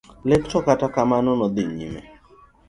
Lek to kata kamano ne odhi nyime.